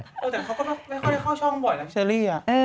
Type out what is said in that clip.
แต่เขาก็ไม่ค่อยได้เข้าช่องบ่อยนะเชอรี่